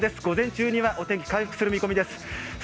午前中にはお天気回復する見込みです。